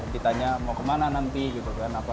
ditanya mau kemana nanti gitu kan